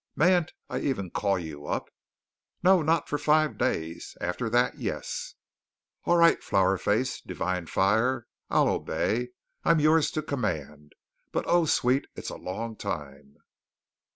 "Mayn't I even call you up?" "No, not for five days. After that, yes." "All right, Flower Face Divine Fire. I'll obey. I'm yours to command. But, oh, sweet, it's a long time."